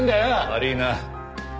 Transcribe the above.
悪いな。